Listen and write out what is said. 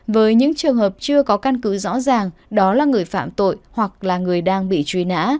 với những trường hợp chưa có căn cứ rõ ràng đó là người phạm tội hoặc là người đang bị truy nã